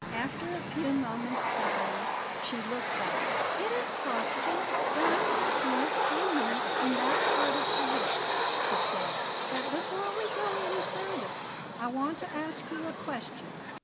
After a few moments' silence she looked up. "It is possible that I might be of some use in that part of the work," she said; "but before we go any further, I want to ask you a question.